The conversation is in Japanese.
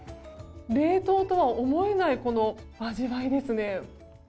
冷凍とは思えない味わいです。